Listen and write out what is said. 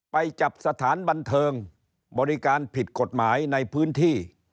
ไปจับสถานบันเทิงบริการผิดกฎหมายในพื้นที่